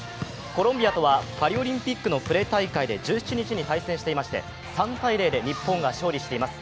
コロンビアとはパリオリンピックのプレ大会で１７日に対戦していまして３ー０で日本が勝利しています。